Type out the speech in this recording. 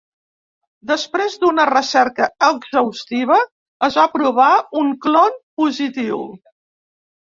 Després d’una recerca exhaustiva, es va trobar un clon positiu.